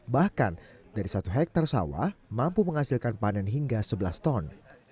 bahkan dari satu hektare sawah mampu menghasilkan panen hingga sebelas ton